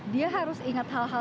dia harus ingat hal hal